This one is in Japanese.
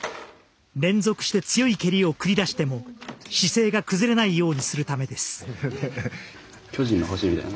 連続して強い蹴りを繰り出しても姿勢が崩れないようにするためです。